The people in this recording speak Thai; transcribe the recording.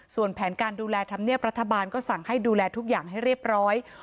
ส่วนแผนการดูแลธรรมเนียบรัฐบาลก็สั่งให้ดูแลทุกอย่างให้เรียบร้อย